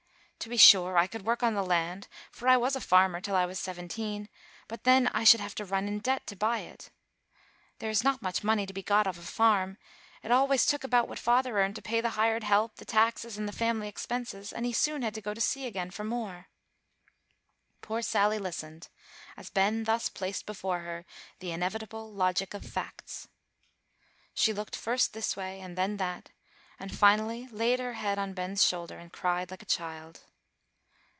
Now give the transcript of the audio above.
To be sure, I could work on the land, for I was a farmer till I was seventeen; but then I should have to run in debt to buy it. There is not much money to be got off a farm; it always took about what father earned to pay the hired help, the taxes, and family expenses, and he soon had to go to sea again for more." Poor Sally listened, as Ben thus placed before her the "inevitable logic of facts." She looked first this way, and then that, and finally laid her head on Ben's shoulder, and cried like a child.